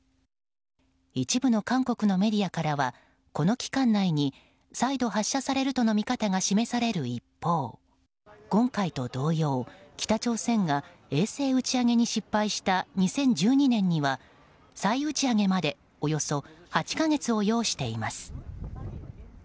一部の韓国のメディアからはこの期間内に再度、発射されるとの見方が示される一方今回と同様北朝鮮が衛星打ち上げに失敗した２０１２年には、再打ち上げまでおよそ８か月を要しています。